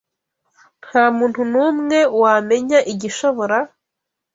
Nta muntu n’umwe wamenya igishobora